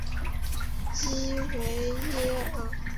伊维耶尔。